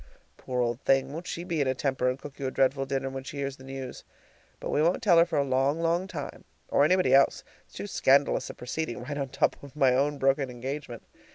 Poor old thing! won't she be in a temper and cook you a dreadful dinner when she hears the news! But we won't tell her for a long, long time or anybody else. It's too scandalous a proceeding right on top of my own broken engagement.